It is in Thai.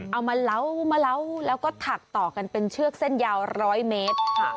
เอามาเล่าแล้วก็ถักต่อกันเป็นเชือกเส้นยาวร้อยเมตรค่ะ